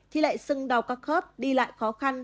thì lại sưng đau các khớp đi lại khó khăn